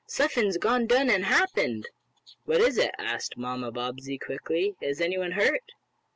"Suffin's done gone an' happened!" "What is it?" asked Mamma Bobbsey, quickly. "Is anyone hurt?"